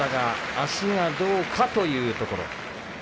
足がどうか、というところです。